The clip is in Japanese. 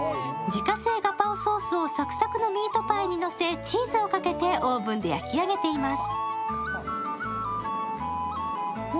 自家製ガパオソースをサクサクのミートパイにのせチーズをかけてオーブンで焼き上げています。